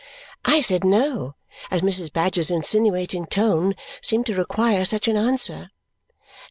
I said no, as Mrs. Badger's insinuating tone seemed to require such an answer.